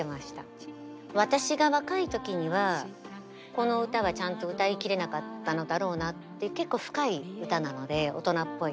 私が若い時にはこの歌はちゃんと歌い切れなかったのだろうなっていう結構深い歌なので大人っぽい。